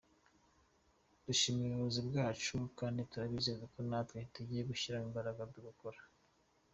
Dushimiye abayobozi bacu kandi turabizeza ko natwe tugiye gushyiramo imbaraga tugakora.